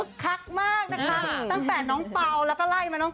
คักมากนะคะตั้งแต่น้องเปล่าแล้วก็ไล่มาน้อง